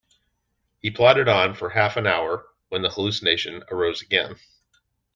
He plodded on for half an hour, when the hallucination arose again.